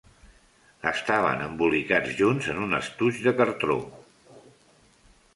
Estaven embolicats junts en un estoig de cartró.